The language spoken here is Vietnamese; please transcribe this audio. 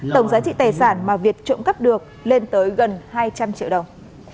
tổng giá trị tài sản mà việt trộm cắp được lên tới gần hai trăm linh triệu đồng